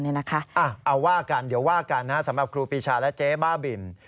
เอาว่ากันสำหรับครูปรีชาและเจ๊บ้าบิ่น